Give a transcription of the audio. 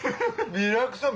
リアクション